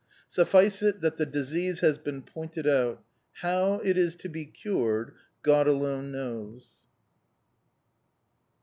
Suffice it that the disease has been pointed out: how it is to be cured God alone knows!